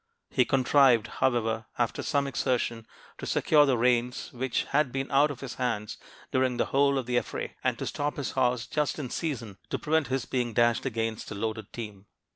He contrived, however, after some exertion, to secure the reins, which had been out of his hands during the whole of the affray, and to stop his horse just in season to prevent his being dashed against a loaded team.